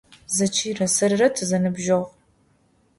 Zeçıyre serıre tızenıbceğu.